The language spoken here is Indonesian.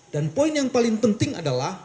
dan poin yang paling penting adalah